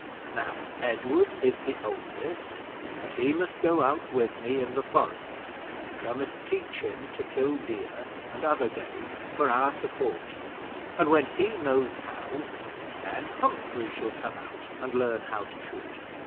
Now, Edward is the oldest, and he must go out with me in the forest, and I must teach him to kill deer and other game for our support; and when he knows how, then Humphrey shall come out and learn how to shoot."